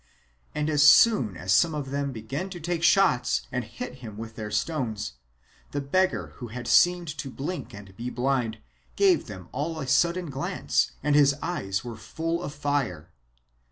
And as soon as some of them began to take shots and hit him with their stones, the beggar who had seemed to blink and be blind, gave them all a sudden glance and showed that his eyes were full of fire.